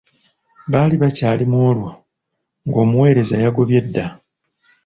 Baali bakyali mu olwo , ng'omuweereza yagobye dda.